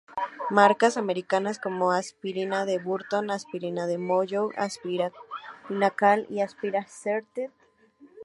Marcas americanas como Aspirina de Burton, Aspirina de Molloy, Aspirina-Cal y Aspirina St.